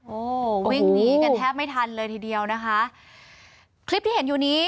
โอ้โหวิ่งหนีกันแทบไม่ทันเลยทีเดียวนะคะคลิปที่เห็นอยู่นี้